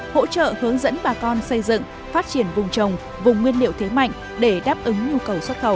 hỗ trợ hướng dẫn bà con xây dựng phát triển vùng trồng vùng nguyên liệu thế mạnh để đáp ứng nhu cầu xuất khẩu